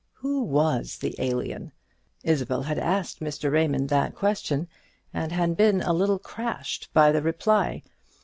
Who was the Alien? Isabel had asked Mr. Raymond that question, and had been a little crashed by the reply.